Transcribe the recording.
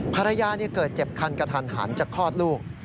ภรรยาเกิดเจ็บคันกระทันหันจะคลอดลูก